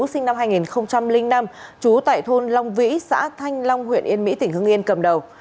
sinh năm hai nghìn năm trú tại thôn long vĩ xã thanh long huyện yên mỹ tỉnh hưng yên cầm đầu